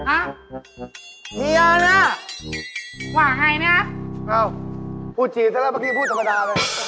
อะไรนะว่าไงนะพูดจี๊ดแล้วเมื่อกี้พูดธรรมดาไป